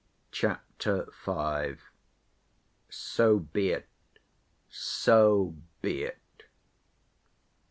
Chapter V. So Be It! So Be It!